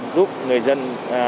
giúp người dân